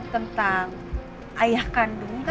tentang ayah kandung kan